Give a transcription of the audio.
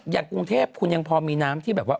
อย่างกรุงเทพคุณยังพอมีน้ำที่แบบว่า